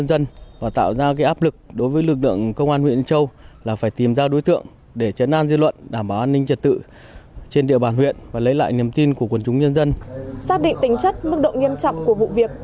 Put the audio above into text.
xác định tính chất mức độ nghiêm trọng của vụ việc